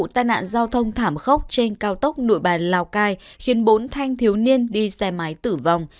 tai nạn giao thông thảm khốc trên cao tốc nội bài lào cai khiến bốn thanh thiếu niên đi xe máy tử vong